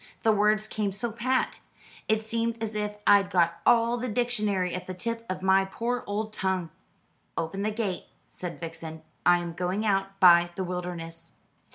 The words came so pat. It seemed as if I'd got all the dictionary at the tip of my poor old tongue." "Open the gate," said Vixen. "I am going out by the wilderness."